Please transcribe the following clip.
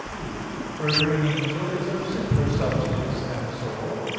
2: Further, an angel is of simpler substance than the soul.